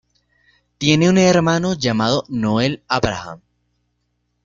Tiene un hermano llamado Noel Abraham.